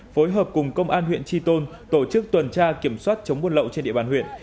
phối hợp cùng công an huyện tri tôn tổ chức tuần tra kiểm soát chống buôn lậu trên địa bàn huyện